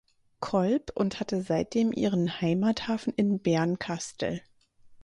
Kolb und hatte seitdem ihren Heimathafen in Bernkastel.